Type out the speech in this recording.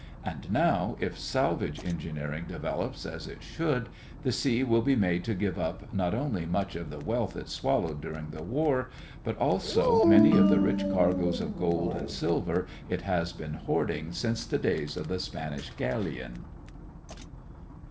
And now, if salvage engineering develops as it should, the sea will be made to give up not only much of the wealth it swallowed during the war, but also many of the rich cargoes of gold and silver it has been hoarding since the days of the Spanish galleon.